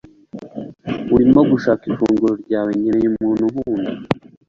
Urimo gushaka ifunguro ryawe nkeneye umuntu unkunda